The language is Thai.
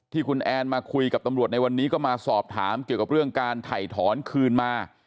ที่คุณแอนมาคุยกับตำรวจในวันนี้ก็มาสอบถามเกี่ยวกับเรื่องการถ่ายถอนคืนมา